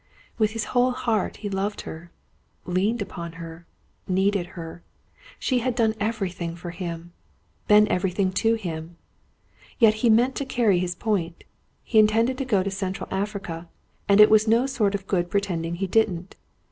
With his whole heart he loved her, leaned upon her, needed her. She had done everything for him; been everything to him. But he meant to carry his point. He intended to go to Central Africa, and it was no sort of good pretending he did not.